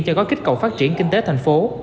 cho gói kích cầu phát triển kinh tế thành phố